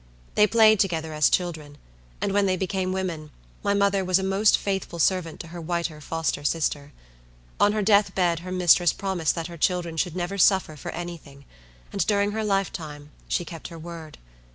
They played together as children; and, when they became women, my mother was a most faithful servant to her whiter foster sister. On her death bed her mistress promised that her children should never suffer for any thing; and during her lifetime she kept her word.